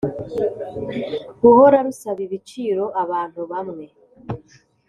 guhora rusaba ibiciro abantu bamwe